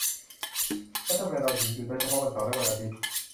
และทำไมเราถึงหยุดได้เฉพาะวันเสาร์และอาทิตย์